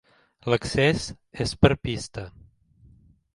L'accés és per pista.